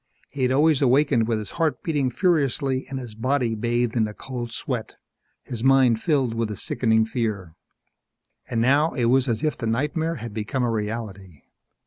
He had always awakened with his heart beating furiously and his body bathed in a cold sweat, his mind filled with a sickening fear. And now it was as if the nightmare had become a reality.